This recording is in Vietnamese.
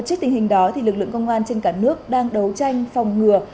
trước tình hình đó lực lượng công an trên cả nước đang đấu tranh phòng ngừa